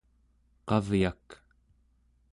qavyak